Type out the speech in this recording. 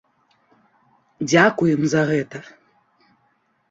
Дзякуй ім за гэта!